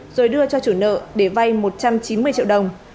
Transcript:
rồi đưa cho chủ nợ để vay một trăm chín mươi triệu đồng